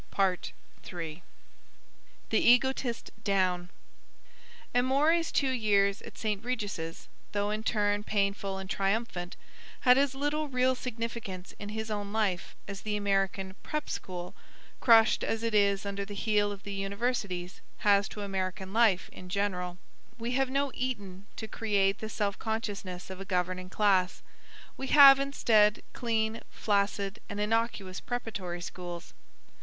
"Well—" "Good by." THE EGOTIST DOWN Amory's two years at St. Regis', though in turn painful and triumphant, had as little real significance in his own life as the American "prep" school, crushed as it is under the heel of the universities, has to American life in general. We have no Eton to create the self consciousness of a governing class; we have, instead, clean, flaccid and innocuous preparatory schools.